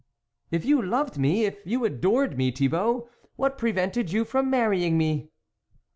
" If you loved me, if you adored me, Thibault, what prevented you from marrying me